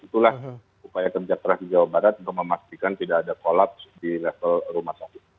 itulah upaya kerja keras di jawa barat untuk memastikan tidak ada kolaps di level rumah sakit